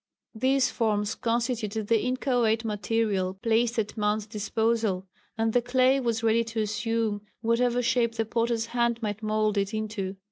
These forms constituted the inchoate material placed at man's disposal, and the clay was ready to assume whatever shape the potter's hands might mould it into.